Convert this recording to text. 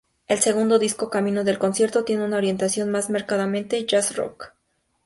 Su segundo disco, "Camino del concierto", tiene una orientación más marcadamente jazz-rock.